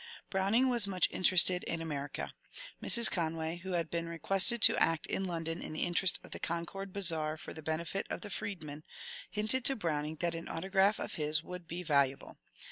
Browning was much interested in America. Mrs. Conway, who had been requested to act in London in the interest of the Concord Bazaar for the benefit of the " f reedmen," hinted to Browning that an autograph of his would be valuable.